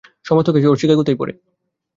সমস্ত কেস ওর শিকাগোতেই পড়ে।